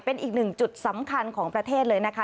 เป็นอีกหนึ่งจุดสำคัญของประเทศเลยนะคะ